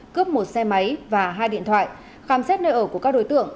cướp một xe máy và hai điện thoại khám xét nơi ở của các đối tượng